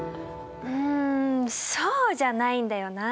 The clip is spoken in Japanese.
うんそうじゃないんだよなあ。